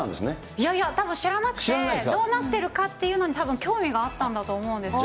いやいや、たぶん知らなくて、どうなっているかって、たぶん興味があったんだと思うんですけど。